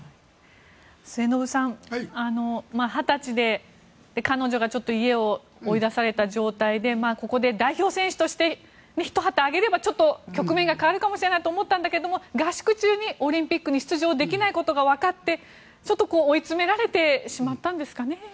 末延さん２０歳で彼女が家を追い出された状態でここで代表選手としてひと旗揚げればちょっと局面が変わるかもしれないと思ったんだけど合宿中にオリンピックに出場できないことがわかって追い詰められてしまったんですかね。